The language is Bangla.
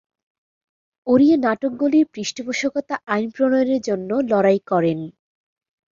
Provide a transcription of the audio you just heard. ওড়িয়া নাটকগুলির পৃষ্ঠপোষকতা আইন প্রণয়নের জন্য লড়াই করেন।